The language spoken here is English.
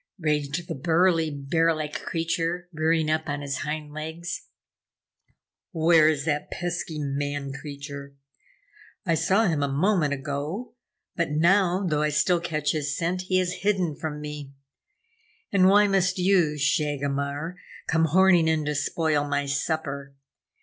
raged the burly, bear like creature, rearing up on his hind legs. "Where is that pesky man creature? I saw him a moment ago, but now, though I still catch his scent, he has hidden from me. And why must you, Shagomar, come horning in to spoil my supper?